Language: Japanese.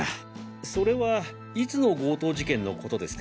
それはいつの強盗事件のことですか？